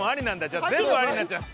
じゃあ全部ありになっちゃう。